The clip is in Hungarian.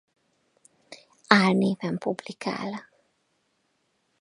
Álnéven publikál.